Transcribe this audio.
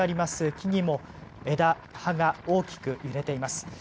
木々も枝、葉が大きく揺れています。